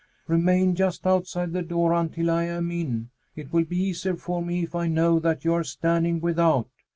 "Remain just outside the door until I am in. It will be easier for me if I know that you are standing without."